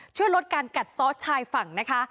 ช่วยลดการกัดซอสชายฝั่งนะคะ